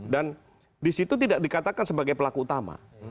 dan di situ tidak dikatakan sebagai pelaku utama